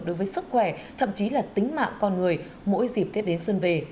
đối với sức khỏe thậm chí là tính mạng con người mỗi dịp tết đến xuân về